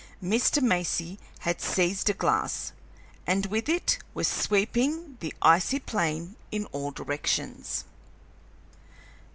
Mr. Marcy had seized a glass, and with it was sweeping the icy plain in all directions.